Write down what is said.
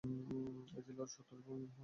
এই জেলার সদর শহর হল গুয়াহাটি।